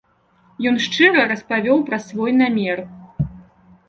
Ён шчыра распавёў пра свой намер.